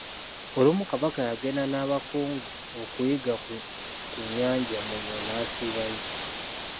Olumu Kabaka yagenda n'abakungu okuyigga ku nnyanja e Munyonyo n'asiibayo.